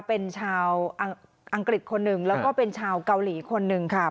เป็นชาวอังกฤษคนหนึ่งแล้วก็เป็นชาวเกาหลีคนหนึ่งค่ะ